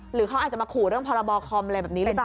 หรือเขาอาจจะมาขู่เรื่องพรบคอมอะไรแบบนี้หรือเปล่า